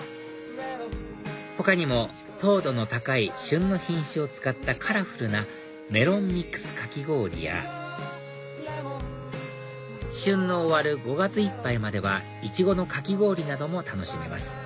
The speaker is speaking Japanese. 他にも糖度の高い旬の品種を使ったカラフルなメロンミックスかき氷や旬の終わる５月いっぱいまではいちごのかき氷なども楽しめます